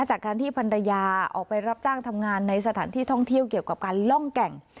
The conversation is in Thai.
จากการที่พันรยาออกไปรับจ้างทำงานในสถานที่ท่องเที่ยวเกี่ยวกับการล่องแก่ง